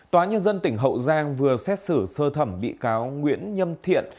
tòa nhân dân tỉnh hậu giang vừa xét xử sơ thẩm bị cáo nguyễn nhâm thiện